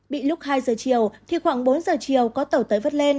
bị lúc hai giờ chiều thì khoảng bốn giờ chiều có tàu tới vớt lên